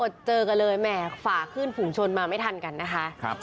เจอกันเลยแหมฝ่าขึ้นฝูงชนมาไม่ทันกันนะคะ